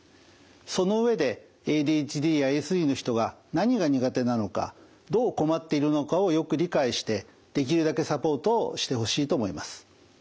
その上でＡＤＨＤやＡＳＤの人が何が苦手なのかどう困っているのかをよく理解してできるだけサポートをしてほしいと思います。